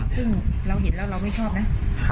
ซึ่งเราเห็นแล้วเราไม่ชอบนะ